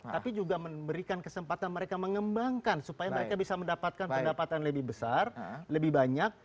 tapi juga memberikan kesempatan mereka mengembangkan supaya mereka bisa mendapatkan pendapatan lebih besar lebih banyak